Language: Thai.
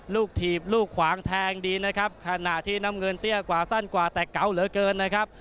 ถีบลูกขวางแทงดีนะครับขณะที่น้ำเงินเตี้ยกว่าสั้นกว่าแต่เกาเหลือเกินนะครับ